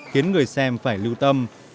khiến người xem phải lưu tâm